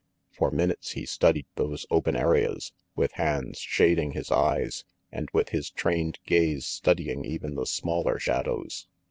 For minutes he studied those open areas, with hands shading his eyes, and with his trained gaze studying even the smaller shadows.